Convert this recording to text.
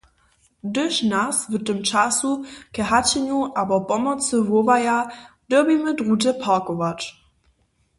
Hdyž nas w tym času k hašenju abo pomocy wołaja, dyrbimy druhdźe parkować.